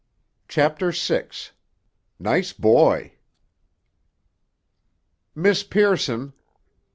CHAPTER VI—"NICE BOY!" "Miss Pearson!"